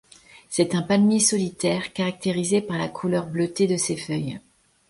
C'est un palmier solitaire, caractérisé par la couleur bleutée de ses feuilles.